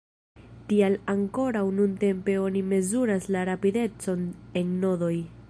Tial ankoraŭ nuntempe oni mezuras la rapidecon en nodoj.